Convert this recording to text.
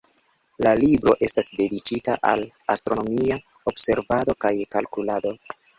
La libro estas dediĉita al astronomia observado kaj kalkulado.